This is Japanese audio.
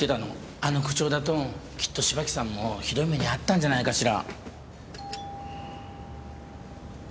あの口調だときっと芝木さんもひどい目に遭ったんじゃないかしら。